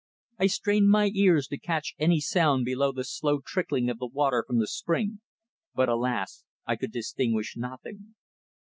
I strained my ears to catch any sound beyond the slow trickling of the water from the spring, but, alas! could distinguish nothing.